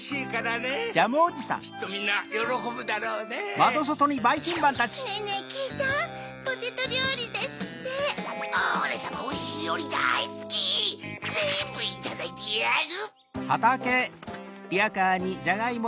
ぜんぶいただいてやる！